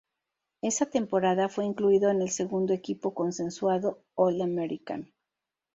Esa temporada fue incluido en el segundo equipo consensuado All-American.